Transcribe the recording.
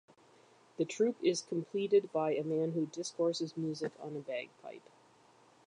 The troupe is completed by a man who discourses music on a bagpipe.